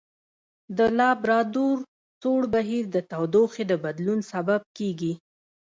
د لابرادور سوړ بهیر د تودوخې د بدلون سبب کیږي.